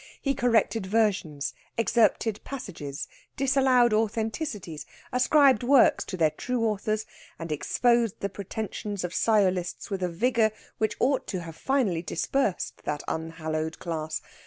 He corrected versions, excerpted passages, disallowed authenticities, ascribed works to their true authors, and exposed the pretensions of sciolists with a vigour which ought to have finally dispersed that unhallowed class.